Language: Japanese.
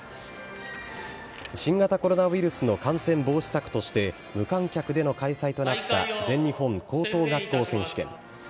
新型コロナウイルスの感染防止策として、無観客での開催となった全日本高等学校選手権。